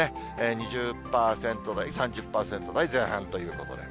２０％台、３０％台前半ということで。